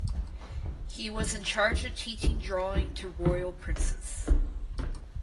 He was in charge of teaching drawing to royal princes.